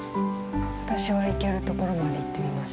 私は行けるところまで行ってみます。